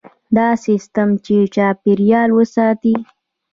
داسې سیستم چې چاپیریال وساتي.